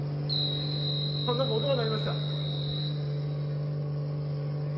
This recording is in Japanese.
何か音が鳴りました！